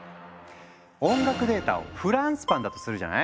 音楽データをフランスパンだとするじゃない？